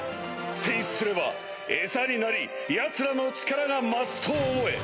戦死すれば餌になりヤツらの力が増すと思え。